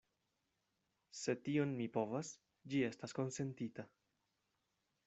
Se tion mi povas, ĝi estas konsentita.